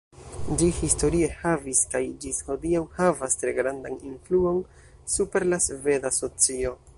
Ĝi historie havis kaj ĝis hodiaŭ havas tre grandan influon super la sveda socio.